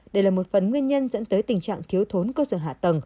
đây là một phần nguyên nhân dẫn tới tình trạng thiếu thốn cơ sở hạ tầng